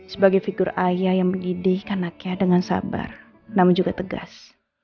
sebagai figur ayah yang mendidih anaknya dengan sabar namun juga tegas